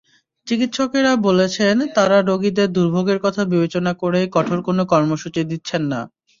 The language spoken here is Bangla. চিকিত্সকেরা বলেছেন, তাঁরা রোগীদের দুর্ভোগের কথা বিবেচনা করেই কঠোর কোনো কর্মসূচি দিচ্ছেন না।